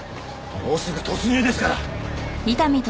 もうすぐ突入ですから。